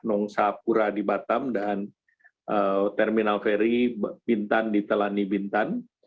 nongsapura di batam dan terminal ferry bintan di telani bintan